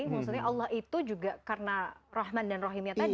maksudnya allah itu juga karena rahman dan rohimnya tadi